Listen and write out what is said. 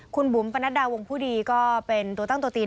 คุณบุ๋มปนัดดาวงผู้ดีก็เป็นตัวตั้งตัวตีน